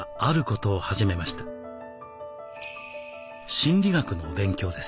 心理学の勉強です。